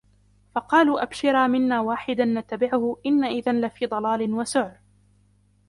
فقالوا أبشرا منا واحدا نتبعه إنا إذا لفي ضلال وسعر